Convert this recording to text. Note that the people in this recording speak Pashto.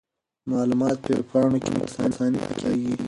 معلومات په ویب پاڼو کې په اسانۍ پیدا کیږي.